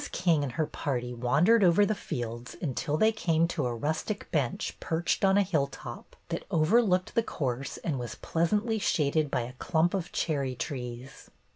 King and her party wandered over the fields until they came to a rustic bench perched on a hilltop that overlooked the course and was pleasantly shaded by a clump of cherry trees.